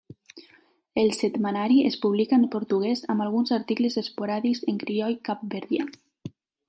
El setmanari es publica en portuguès amb alguns articles esporàdics en crioll capverdià.